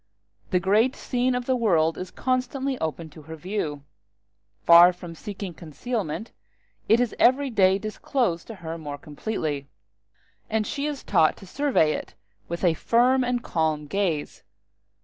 The great scene of the world is constantly open to her view; far from seeking concealment, it is every day disclosed to her more completely, and she is taught to survey it with a firm and calm gaze.